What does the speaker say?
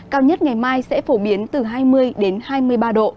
cao nhất ngày mai sẽ phổ biến từ hai mươi đến hai mươi ba độ